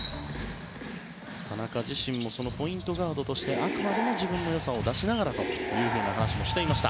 田中自身もポイントガードとしてあくまでも自分の良さを出しながらという話をしていました。